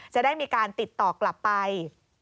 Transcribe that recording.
จะได้มีการติดต่อกลับไป